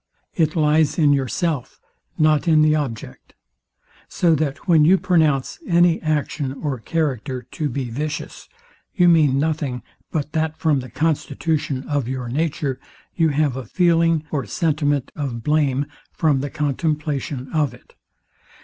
It lies in yourself, not in the object. So that when you pronounce any action or character to be vicious, you mean nothing, but that from the constitution of your nature you have a feeling or sentiment of blame from the contemplation of it.